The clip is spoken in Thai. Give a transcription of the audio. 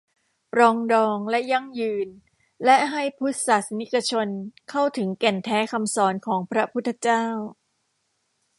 ปรองดอง และยั่งยืน และให้พุทธศาสนิกชนเข้าถึงแก่นแท้คำสอนของพระพุทธเจ้า